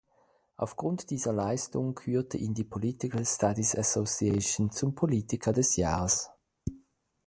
Aufgrund dieser Leistung kürte ihn die "Political Studies Association" zum „Politiker des Jahres“.